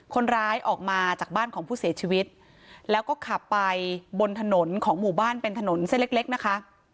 คนร้ายออกมาจากบ้านของผู้เสียชีวิตแล้วก็ขับไปบนถนนของหมู่บ้านเป็นถนนเส้นเล็กเล็กนะคะ